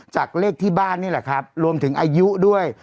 จากเลขที่บ้านนี่แหละครับรวมถึงอายุด้วย